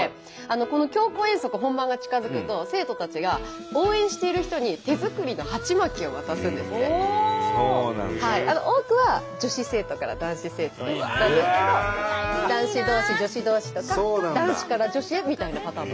この強行遠足本番が近づくと生徒たちが多くは女子生徒から男子生徒へなんですけど男子同士女子同士とか男子から女子へみたいなパターンも。